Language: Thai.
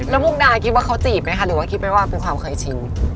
แล้วมุกดาคิดว่าเขาจีบไหมคะหรือว่าคิดไหมว่าเป็นความเคยชิง